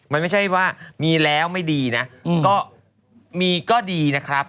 มันไม่ใช่ว่ามีแล้วไม่ดีนะก็มีก็ดีนะครับ